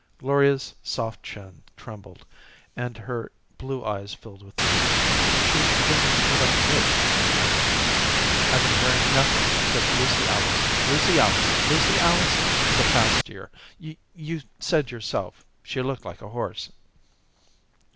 Gloria's soft chin trembled, and her blue eyes filled with tears. She was beginning to put on weight, he noticed. "I've been hearing nothing but Lucy Allison, Lucy Allison, Lucy Allison for the past year. Y you said yourself she looked like a horse."